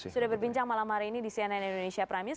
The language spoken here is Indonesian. sudah berbincang malam hari ini di cnn indonesia prime news